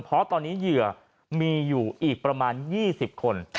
เพราะตอนนี้เหยื่อมีอยู่อีกประมาณ๒๐คน